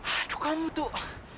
aduh kamu tuh